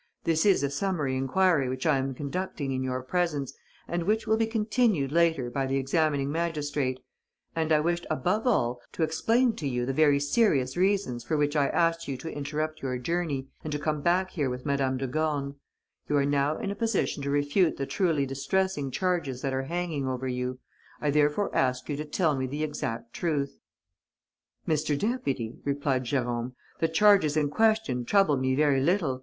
This is a summary enquiry which I am conducting in your presence and which will be continued later by the examining magistrate; and I wished above all to explain to you the very serious reasons for which I asked you to interrupt your journey and to come back here with Madame de Gorne. You are now in a position to refute the truly distressing charges that are hanging over you. I therefore ask you to tell me the exact truth." "Mr. Deputy," replied Jérôme, "the charges in question trouble me very little.